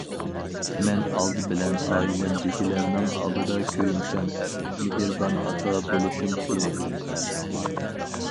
مەن ئالدى بىلەن ئائىلەمدىكىلەرنىڭ ئالدىدا كۆيۈمچان ئەر، مېھرىبان ئاتا بولۇشۇم كېرەك.